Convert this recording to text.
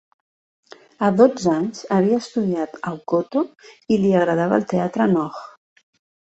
A dotze anys, havia estudiat el "koto" i li agradava el teatre "Noh".